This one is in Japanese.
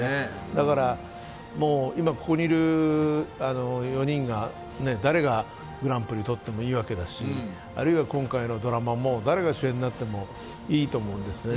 だから今ここにいる４人がね誰がグランプリを取ってもいいわけだし、あるいは今回のドラマも誰が主演になってもいいと思うんですね。